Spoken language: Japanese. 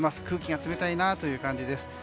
空気が冷たいという感じです。